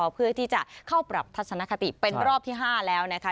เพื่อที่จะเข้าปรับทัศนคติเป็นรอบที่๕แล้วนะคะ